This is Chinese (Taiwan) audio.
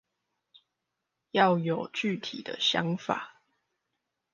要有具體的想法